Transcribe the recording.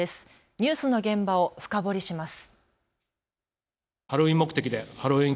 ニュースの現場を深掘りします。